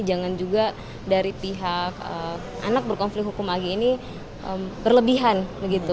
jangan juga dari pihak anak berkonflik hukum ag ini berlebihan begitu